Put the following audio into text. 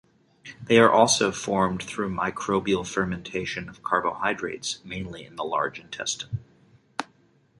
They are also formed through microbial fermentation of carbohydrates mainly in the large intestine.